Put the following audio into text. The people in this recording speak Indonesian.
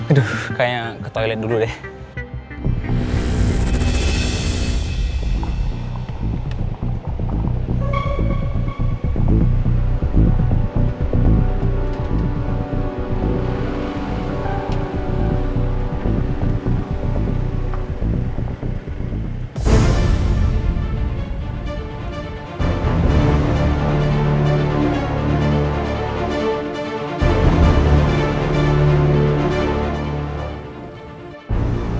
aduh kayaknya ke toilet dulu deh